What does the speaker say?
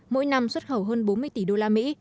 mỗi năm xuất khẩu hơn bốn mươi tỷ usd